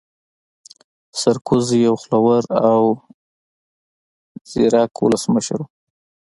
سرکوزی يو خوله ور او ځيرکا ولسمشر وو